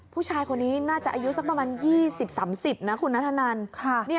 ผู้ชายคนนี้น่าจะอายุสักประมาณ๒๐๓๐นะคุณนัทธนัน